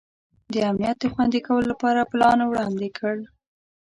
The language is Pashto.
د امنیت د خوندي کولو لپاره پلان وړاندي کړ.